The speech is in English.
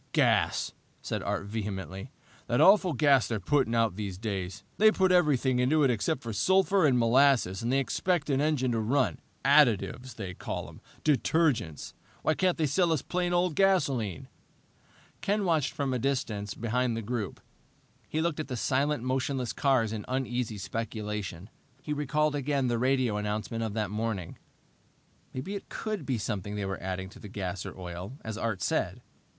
"Gas!" said Art vehemently. "The awful gas they're putting out these days. They put everything into it except sulphur and molasses, and they expect an engine to run. Additives, they call 'em! Detergents! Why can't they sell us plain old gasoline?" Ken watched from a distance behind the group. He looked at the silent, motionless cars in uneasy speculation. He recalled again the radio announcement of that morning. Maybe it could be something they were adding to the gas or oil, as Art said.